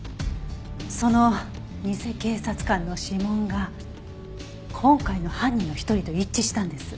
その偽警察官の指紋が今回の犯人の一人と一致したんです。